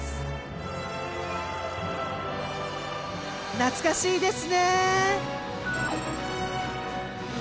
懐かしいですね！